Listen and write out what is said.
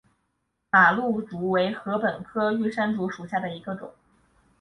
马鹿竹为禾本科玉山竹属下的一个种。